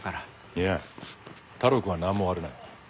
いや太郎くんはなんも悪ない。